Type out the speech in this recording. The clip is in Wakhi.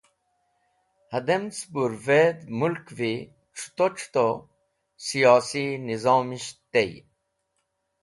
Hadem cebur vedh Mulkvi C̃huto C̃huto Siyosi nizomisht tey.